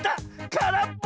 からっぽ！